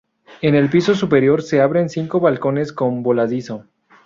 En el piso superior se abren cinco balcones con voladizo.